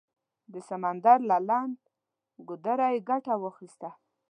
د سمندر له لنډ ګودره یې ګټه واخیسته.